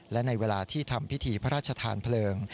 และในเวลาที่ทำพิธีพระราชทานเพลิง